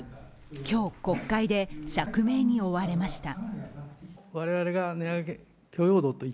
今日、国会で釈明に追われました。